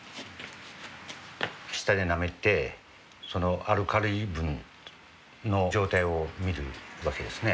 舌でなめてそのアルカリ分の状態を見る訳ですね。